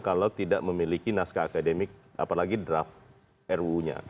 kalau tidak memiliki naskah akademik apalagi draft ruu nya